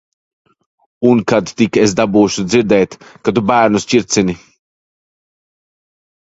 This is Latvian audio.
Un kad tik es dabūšu dzirdēt, ka tu bērnus ķircini.